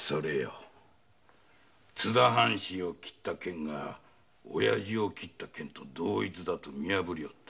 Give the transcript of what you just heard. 津田藩士を斬った剣が親父を斬った剣と同一だと見破りおった。